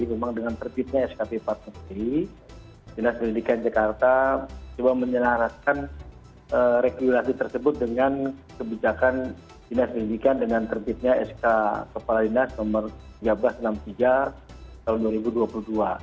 memang dengan tertibnya skp partai dinas pendidikan jakarta coba menyalahkan regulasi tersebut dengan kebijakan dinas pendidikan dengan tertibnya skp partai dinas nomor seribu tiga ratus enam puluh tiga tahun dua ribu dua puluh dua